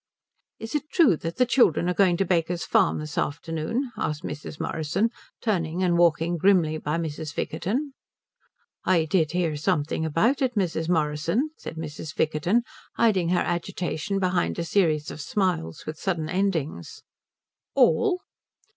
"Is it true that the children are going to Baker's Farm this afternoon?" asked Mrs. Morrison, turning and walking grimly by Mrs. Vickerton. "I did hear something about it, Mrs. Morrison," said Mrs. Vickerton, hiding her agitation behind a series of smiles with sudden endings. "All?"